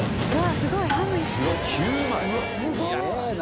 すごいな。